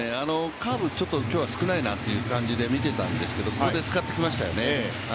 カーブ、少ないなっていう感じで見てたんですけどここで使ってきましたよね。